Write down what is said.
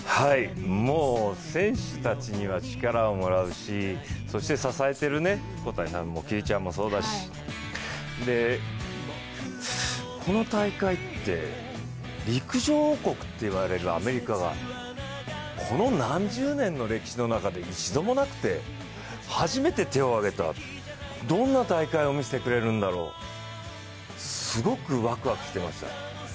もう選手たちには力をもらうし、そして支えている小谷さんもＱちゃんも層だし、この大会って、陸上王国といわれるアメリカがこの何十年の歴史の中で一度もなくて、初めて手を挙げた、どんな大会を見せてくれるんだろう、すごくワクワクしていました。